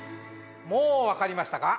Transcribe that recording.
もうわかりましたか？